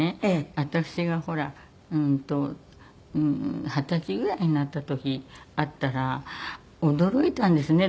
私がほら二十歳ぐらいになった時に会ったら驚いたんですね。